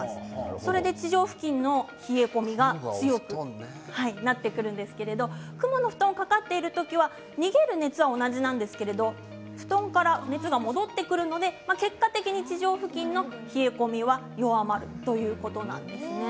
それで地上付近の冷え込みが強くなってくるんですけれど雲の布団が掛かっている時は逃げる熱は同じなんですけれど布団から熱が戻ってくるので結果的に地上付近の冷え込みは弱まるということなんですね。